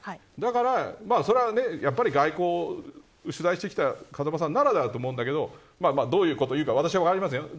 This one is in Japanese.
だがそれは外交史を取材してきた風間さんならではと思うんだけどどういうことを言うか私は分かりませんよ。